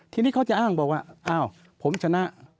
ทีนี้เขาจะอ้างบอกว่าอ้าวผมชนะ